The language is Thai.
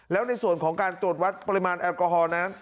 แล้วในส่วนของการตรวจวัดปริมาณแอลกอฮอลนั้น